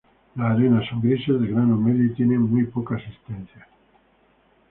Las arenas son grises de grano medio y tiene muy poca asistencia.